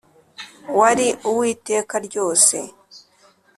wari uw'iteka ryose.